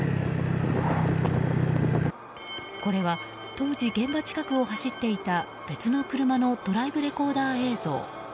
これは当時現場近くを走っていた別の車のドライブレコーダー映像。